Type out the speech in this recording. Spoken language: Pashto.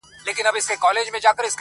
هر څوک له بل لرې دي,